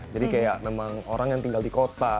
jadi kayak memang orang yang tinggal di kota